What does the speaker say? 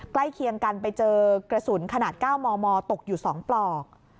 เคียงกันไปเจอกระสุนขนาด๙มมตกอยู่๒ปลอก